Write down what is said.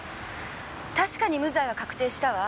確かに無罪は確定したわ。